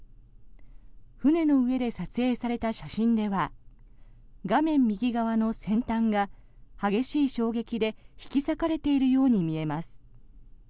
船の上で撮影された写真では画面右側の先端が激しい衝撃で引き裂かれているように見えます。